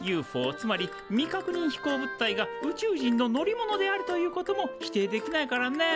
つまり未確認飛行物体が宇宙人の乗り物であるということも否定できないからね。